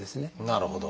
なるほど。